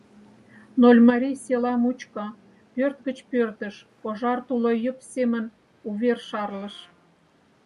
Нольмарий села мучко пӧрт гыч пӧртыш пожар тулойып семын увер шарлыш.